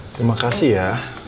terima kasih ya